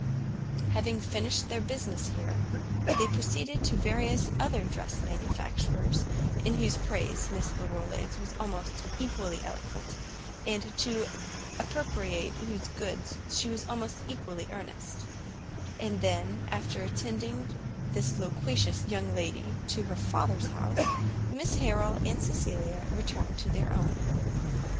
Having finished their business here, they proceeded to various other dress manufacturers, in whose praises Miss Larolles was almost equally eloquent, and to appropriate whose goods she was almost equally earnest: and then, after attending this loquacious young lady to her father's house, Mrs Harrel and Cecilia returned to their own.